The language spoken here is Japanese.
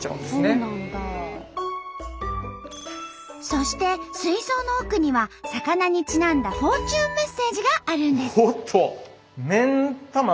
そして水槽の奥には魚にちなんだフォーチュンメッセージがあるんです。